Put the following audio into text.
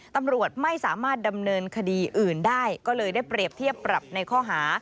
ตำรวจไม่สามารถดำเนินคดีอื่นได้ก็เลยได้เปรียบเทียบปรับในข้อหา